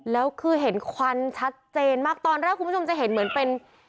แล้วคือเห็นควันชัดเจนมากตอนแรกคุณผู้ชมจะเห็นเหมือนเป็น